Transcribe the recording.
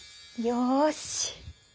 よし！